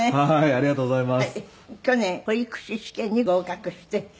ありがとうございます。